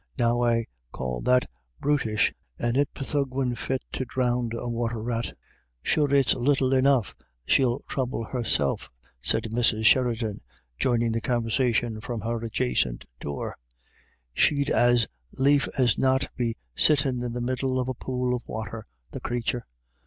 Now I call that bruttish^ and it poltho guin* fit to drownd a water rat" * Sure it's little enough she'll trouble herself," A WET DAY. 79 said Mrs. Sheridan, joining the conversation from her adjacent door; "she'd as lief as not be sittin* in the middle of a pool of water, the crathur.